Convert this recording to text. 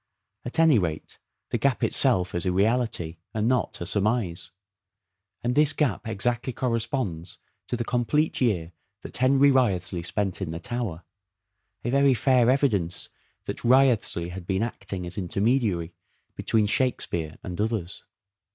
At any rate the gap itself is a reality, and not a surmise ; and this gap exactly corresponds to the complete year that Henry Wriothesley spent in the Tower : a very fair evidence that Wriothesley had been acting as intermediary between " Shakespeare " and others.